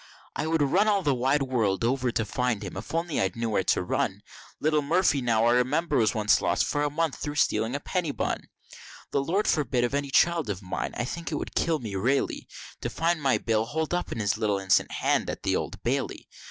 I would run all the wide world over to find him, if I only know'd where to run, Little Murphy, now I remember, was once lost for a month through stealing a penny bun, The Lord forbid of any child of mine! I think it would kill me raily, To find my Bill holdin up his little innocent hand at the Old Bailey.